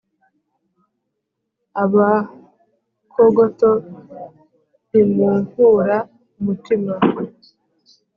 abakogoto ntimunkura umutima.